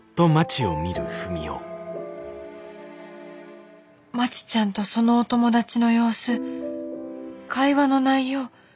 ・心の声まちちゃんとそのお友達の様子会話の内容